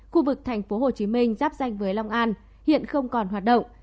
khu vực tp hcm giáp danh với long an hiện không còn hoạt động